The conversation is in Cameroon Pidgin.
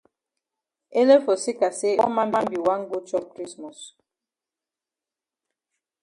Ele for seka say all man be wan go chop krismos.